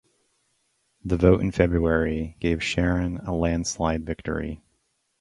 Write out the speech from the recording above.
The vote in February gave Sharon a landslide victory.